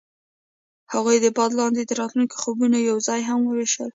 هغوی د باد لاندې د راتلونکي خوبونه یوځای هم وویشل.